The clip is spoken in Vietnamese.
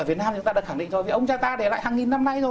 vì ông cha ta để lại hàng nghìn năm nay rồi